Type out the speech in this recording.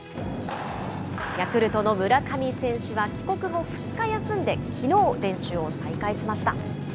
ヤクルトの村上選手は帰国後２日休んで、きのう、練習を再開しました。